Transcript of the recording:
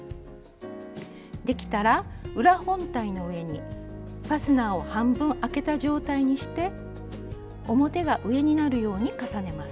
できたら裏本体の上にファスナーを半分開けた状態にして表が上になるように重ねます。